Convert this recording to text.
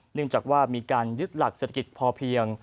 เนื่องจากว่ามีการยึดหลักเศรษฐกิจพอเพียง